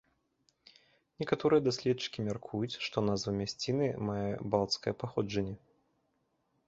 Некаторыя даследчыкі мяркуюць, што назва мясціны мае балцкае паходжанне.